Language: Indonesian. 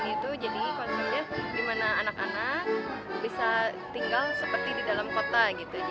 kota ini itu jadi konsepnya dimana anak anak bisa tinggal seperti di dalam kota gitu ya